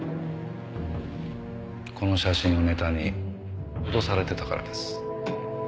この写真をネタに脅されてたからです。